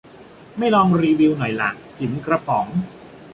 ไม่ลองรีวิวหน่อยล่ะ จิ๋มกระป๋อง